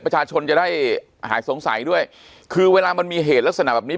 ประชาชนจะได้หายสงสัยด้วยคือเวลามันมีเหตุลักษณะแบบนี้